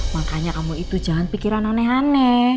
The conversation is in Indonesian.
makanya kamu itu jangan pikiran aneh aneh